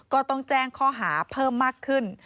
ก็ต้องแจ้งข้อหาเพิ่มมากขึ้น